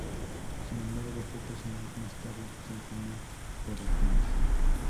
Sin embargo pocos años más tarde se inclinó por el tenis.